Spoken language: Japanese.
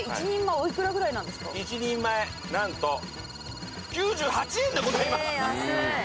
１人前何と９８円でございます！